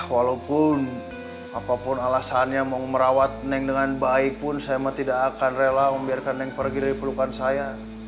walaupun apapun alasannya mau merawat neng dengan baik pun saya tidak akan rela membiarkan neng pergi dari pelukan saya